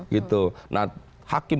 gitu nah hakim